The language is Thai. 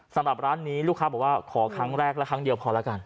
สำหรับร้านนี้ลูกค้าบอกว่าขอครั้งแรกและครั้งเดียวพอแล้วกัน